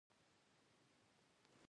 آیا دوی د افغانستان ډبرې هم نه اخلي؟